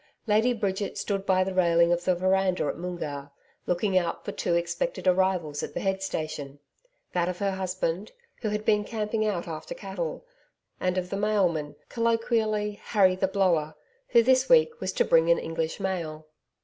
Lady Bridget stood by the railing of the veranda at Moongarr, looking out for two expected arrivals at the head station that of her husband, who had been camping out after cattle and of the mailman colloquially, Harry the Blower who this week was to bring an English mail.